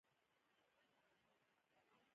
انګلیسي سیاحانو حاضري په دربار کې وه.